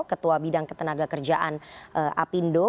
ketua bidang ketenaga kerjaan apindo